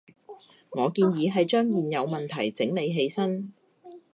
我建議係將現有問題整理起身